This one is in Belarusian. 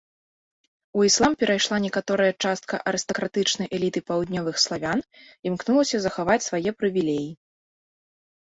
У іслам перайшла некаторая частка арыстакратычнай эліты паўднёвых славян, імкнулася захаваць свае прывілеі.